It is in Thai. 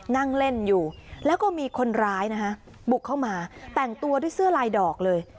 นั่งเล่นอยู่แล้วก็มีคนร้ายนะฮะบุกเข้ามาแต่งตัวด้วยเสื้อลายดอกเลย